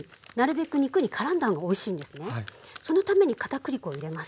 そのために片栗粉を入れます。